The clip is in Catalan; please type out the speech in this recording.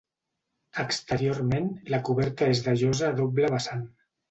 Exteriorment, la coberta és de llosa a doble vessant.